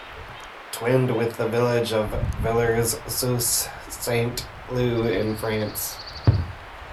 Twinned with the village of Villers-sous-Saint-Leu in France.